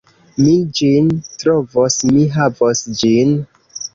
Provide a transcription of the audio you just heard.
Mi ĝin trovos, mi havos ĝin.